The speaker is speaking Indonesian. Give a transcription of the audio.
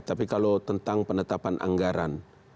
tapi kalau tentang penetapan anggaran